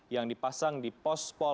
yang dipasang di jalan raya ciawi cianjur